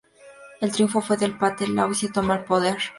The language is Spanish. El triunfo fue de los Pathet Lao y se toman el poder.